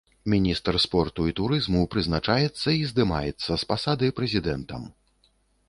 Міністр спорту і турызму прызначаецца і здымаецца з пасады прэзідэнтам.